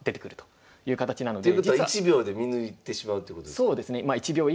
そうですね。